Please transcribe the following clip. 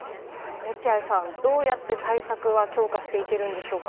落合さん、どうやって対策は強化していけるんでしょうか。